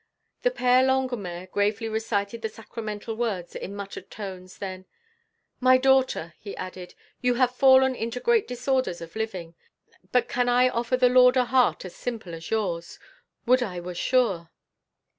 The Père Longuemare gravely recited the sacramental words in muttered tones; then: "My daughter!" he added, "you have fallen into great disorders of living; but can I offer the Lord a heart as simple as yours? Would I were sure!"